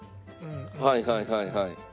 はいはいはいはい。